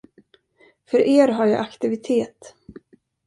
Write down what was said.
För er har jag aktivitet.